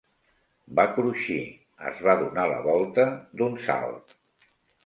Va cruixir; es va donar la volta d'un salt.